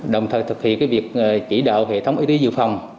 đồng thời thực hiện việc chỉ đạo hệ thống y tế dự phòng